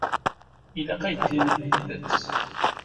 Ilaq ad yi-d-tiniḍ tidet.